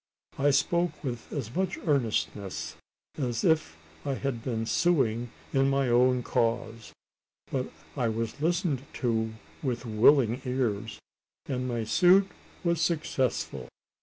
I spoke with as much earnestness as if I had been suing in my own cause; but I was listened to with willing ears, and my suit was successful.